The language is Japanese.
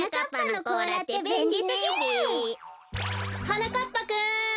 はなかっぱくん！